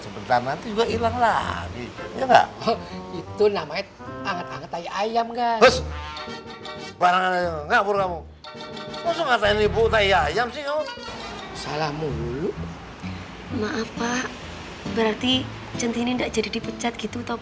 bener pak centini gak jadi dipecat